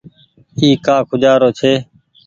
اي ڪآ کوجآرو ڇي۔